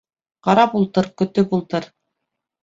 — Ҡарап ултыр, көтөп ултыр...